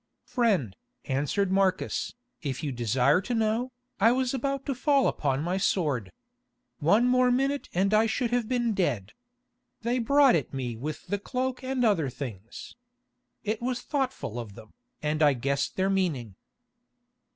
"Friend," answered Marcus, "If you desire to know, I was about to fall upon my sword. One more minute and I should have been dead. They brought it me with the cloak and other things. It was thoughtful of them, and I guessed their meaning."